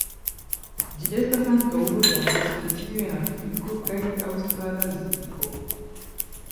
Ĝi estas ankaŭ loĝanta specio en Afriko kaj Aŭstralazio.